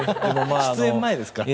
出演前ですから。